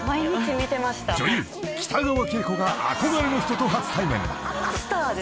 ［女優北川景子が憧れの人と初対面］